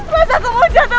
mas aku mau jatuh